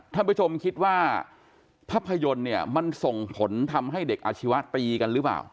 ท่านผู้ชมคิดว่าภาพยนตร์เนี่ยมันส่งผลทำให้เด็กอาชีวะตีกันหรือเปล่า